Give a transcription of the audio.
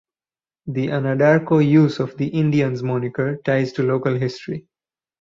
The Anadarko use of the "Indians" moniker ties to local history.